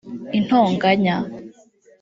intonganya